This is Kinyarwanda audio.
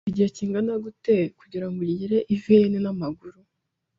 Bifata igihe kingana iki kugirango ugere i Vienne n'amaguru?